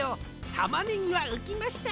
たまねぎはうきました。